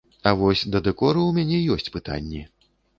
А вось да дэкору у мяне ёсць пытанні.